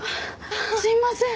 すいません。